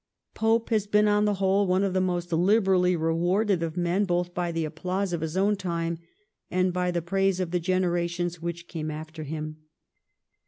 Pope has been on the whole one of the most liberally rewarded of men both by the applause of his own time and by the praise of the generations which came after him.